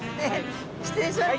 失礼します！